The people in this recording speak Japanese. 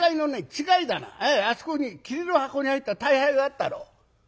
違い棚あそこに桐の箱に入った大杯があったろ？